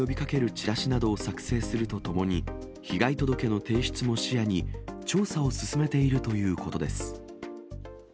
チラシを作成するとともに、被害届の提出も視野に調査を進めているということです。